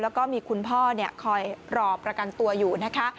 แล้วก็มีคุณพ่อคอยรอประกันตัวอยู่นะคะ